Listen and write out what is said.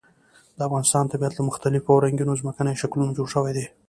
د افغانستان طبیعت له مختلفو او رنګینو ځمکنیو شکلونو جوړ شوی دی.